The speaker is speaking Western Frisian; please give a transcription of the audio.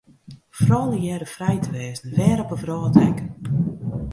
Froulju hearre frij te wêze, wêr op 'e wrâld ek.